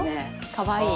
かわいい。